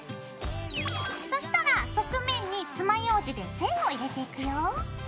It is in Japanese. そしたら側面につまようじで線を入れていくよ。